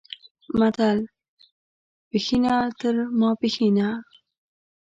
متل، پښینه تر ماپښینه